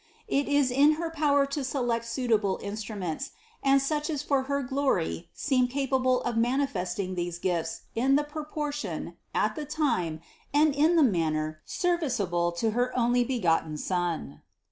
It is in her power to select suitable instruments, and such as for her glory seem capable of manifesting these gifts in the proportion, at the time, and in the manner serviceable to her Onlybegotten Son.